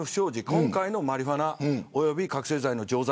今回のマリフアナおよび覚せい剤の錠剤